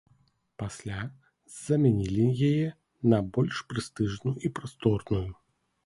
Пасля замянілі яе на больш прэстыжную і прасторную.